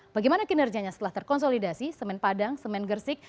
bagaimana kinerjanya setelah terkonsolidasi semen padang semen gersik